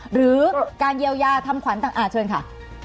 หรือการเยียวยาทำขวัญต่างเชิญค่ะ